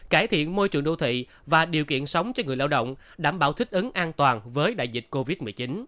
cải thiện môi trường đô thị và điều kiện sống cho người lao động đảm bảo thích ứng an toàn với đại dịch covid một mươi chín